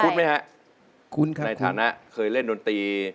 คุ้นไหมครับในฐานะเคยเล่นดนตรี